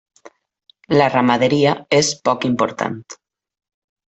La ramaderia és poc important.